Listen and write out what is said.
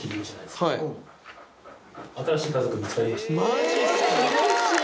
マジっすか！